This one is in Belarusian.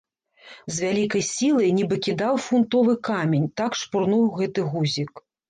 З вялікай сілай, нібы кідаў фунтовы камень, так шпурнуў гэты гузік.